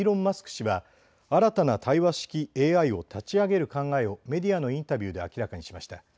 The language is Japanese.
氏は新たな対話式ＡＩを立ち上げる考えをメディアのインタビューで明らかにしました。